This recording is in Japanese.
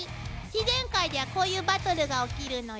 自然界ではこういうバトルが起きるのよ。